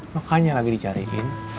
makanya lagi dicariin